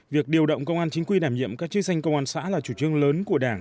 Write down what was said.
việc điều động công an chính quy đảm nhiệm các chức danh công an xã là chủ trương lớn của đảng